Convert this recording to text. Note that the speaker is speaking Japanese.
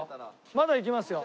まだいきますよ。